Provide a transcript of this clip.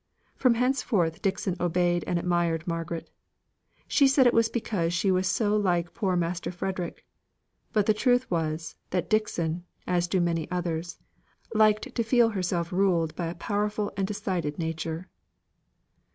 From henceforth Dixon obeyed and admired Margaret. She said it was because she was so like poor Master Frederick; but the truth was, that Dixon, as do many others, liked to feel herself ruled by a powerful and decided nature.